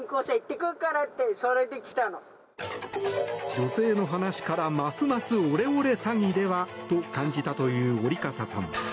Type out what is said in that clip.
女性の話から、ますますオレオレ詐欺では？と感じたという折笠さん。